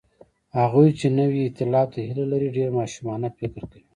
هغوی چې نوي ائتلاف ته هیله لري، ډېر ماشومانه فکر کوي.